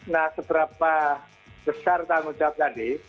nah seberapa besar tanggung jawab tadi